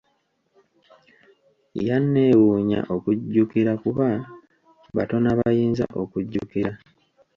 Yanneewuunya okujjukira kuba batono abayinza okujjukira.